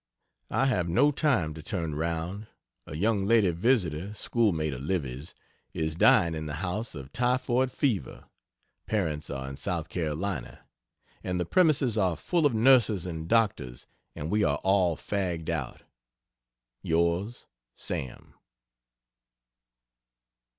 I have no time to turn round, a young lady visitor (schoolmate of Livy's) is dying in the house of typhoid fever (parents are in South Carolina) and the premises are full of nurses and doctors and we are all fagged out. Yrs. SAM.